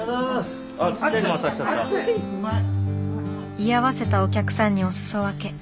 居合わせたお客さんにお裾分け。